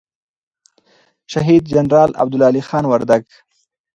شهید جنرال عبدالعلي خان وردگ